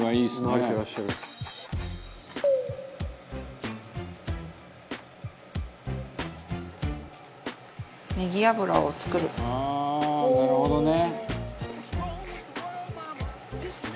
「慣れていらっしゃる」「ああーなるほどね」